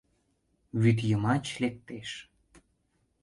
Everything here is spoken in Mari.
Вӱд йымач лектеш!